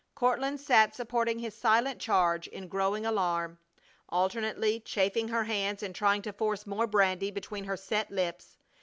Courtland sat supporting his silent charge in growing alarm, alternately chafing her hands and trying to force more brandy between her set lips.